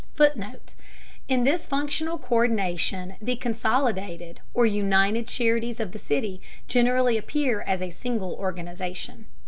[Footnote: In this functional co÷rdination the "consolidated" or "united" charities of the city generally appear as a single organization.